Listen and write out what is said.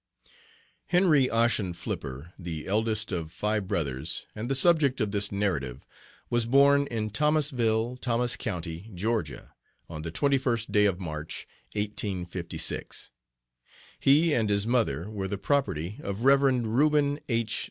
HENRY OSSIAN FLIPPER, the eldest of five brothers, and the subject of this narrative, was born in Thomasville, Thomas County, Georgia, on the 21st day of March, 1856. He and his mother were the property (?) of Rev. Reuben H.